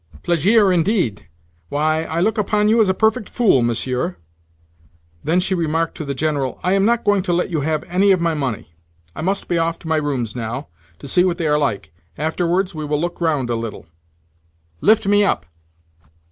"'Plaisir' indeed! Why, I look upon you as a perfect fool, monsieur." Then she remarked to the General: "I am not going to let you have any of my money. I must be off to my rooms now, to see what they are like. Afterwards we will look round a little. Lift me up."